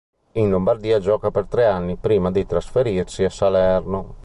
In Lombardia gioca per tre anni, prima di trasferirsi a Salerno.